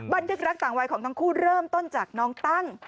บันทึกรักต่างวัยของทั้งคู่เริ่มต้นจากน้องตั้ง